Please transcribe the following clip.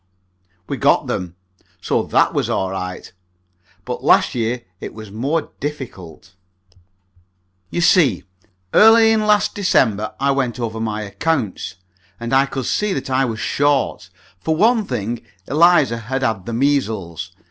Well, we got them; so that was all right. But last year it was more difficult. You see, early in last December I went over my accounts, and I could see that I was short. For one thing, Eliza had had the measles.